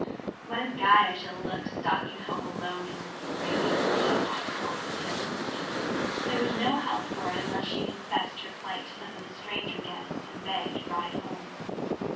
"What a guy I shall look, stalking home alone in this rig," she thought crossly. There was no help for it unless she confessed her plight to some of the stranger guests and begged a drive home.